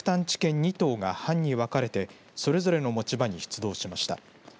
２頭が班に分かれてそれぞれの持ち場に出動しました。